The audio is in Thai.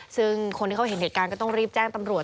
ซึ่งคนที่เขาเห็นเหตุการณ์ก็ต้องรีบแจ้งตำรวจ